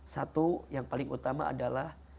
satu yang paling utama adalah